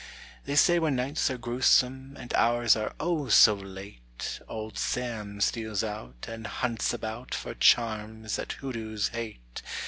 _ They say when nights are grewsome And hours are, oh! so late, Old Sam steals out And hunts about For charms that hoodoos hate!